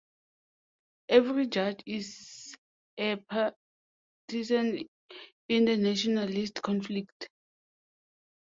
Every judge is a partisan in the nationalist conflict.